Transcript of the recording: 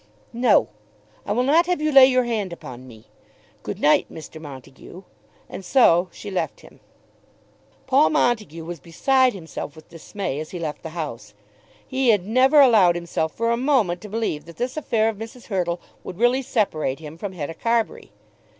"No; I will not have you lay your hand upon me. Good night, Mr. Montague." And so she left him. Paul Montague was beside himself with dismay as he left the house. He had never allowed himself for a moment to believe that this affair of Mrs. Hurtle would really separate him from Hetta Carbury.